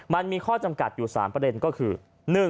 มันมีข้อจำกัดอยู่๓ประเด็นก็คือ